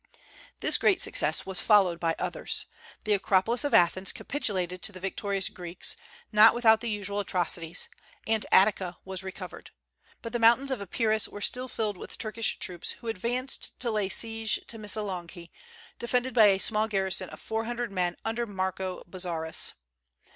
This great success was followed by others. The Acropolis of Athens capitulated to the victorious Greeks, not without the usual atrocities, and Attica, was recovered. But the mountains of Epirus were still filled with Turkish troops, who advanced to lay siege to Missolonghi, defended by a small garrison of four hundred men under Marco Bozzaris.